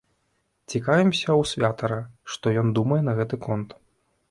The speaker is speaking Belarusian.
Цікавімся ў святара, што ён думае на гэты конт.